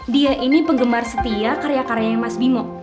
dia ini penggemar setia karya karyanya mas bimo